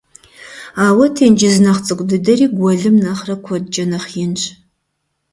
Ауэ тенджыз нэхъ цӀыкӀу дыдэри гуэлым нэхърэ куэдкӀэ нэхъ инщ.